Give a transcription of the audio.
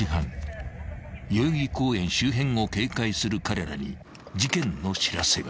［代々木公園周辺を警戒する彼らに事件の知らせが］